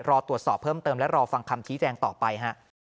รอตรวจสอบเพิ่มเติมและรอฟังคำชี้แจงต่อไปฮะ